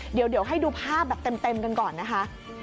เดี๋ยวให้ดูภาพแบบเต็มกันก่อนนะคะ